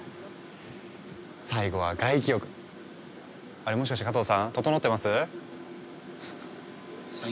あれもしかして加藤さんととのってます？